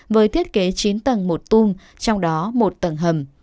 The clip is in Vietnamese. với thiết kế chín tầng một tung trong đó một tầng hầm